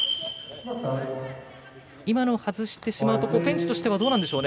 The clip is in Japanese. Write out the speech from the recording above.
はずしてしまうとベンチとしてはどうなんでしょうね。